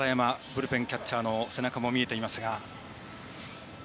ブルペンキャッチャーの背中も見えていますが。